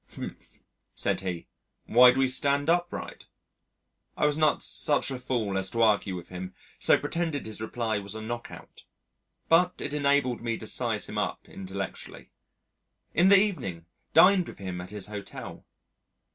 "Humph," said he, "why do we stand upright?" I was not such a fool as to argue with him, so pretended his reply was a knock out. But it enabled me to size him up intellectually. In the evening dined with him at his hotel....